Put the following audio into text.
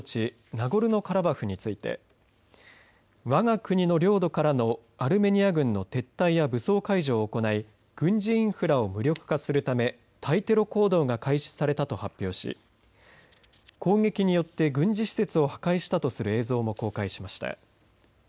ナゴルノカラバフについてわが国の領土からのアルメニア軍の撤退や武装解除を行い軍事インフラを無力化するため対テロ行動が開始されたと発表し攻撃によって軍事施設を破壊したとする映像も公開しました。